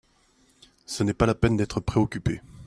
Ce n'est pas la peine d'être préocuppé.